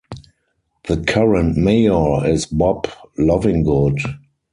The current mayor is Bob Lovingood.